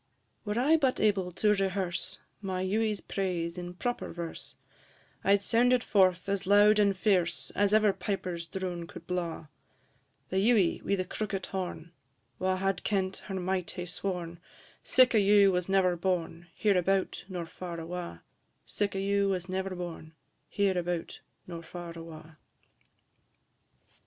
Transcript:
I. Were I but able to rehearse My Ewie's praise in proper verse, I 'd sound it forth as loud and fierce As ever piper's drone could blaw; The Ewie wi' the crookit horn, Wha had kent her might hae sworn Sic a Ewe was never born, Hereabout nor far awa'; Sic a Ewe was never born, Hereabout nor far awa'.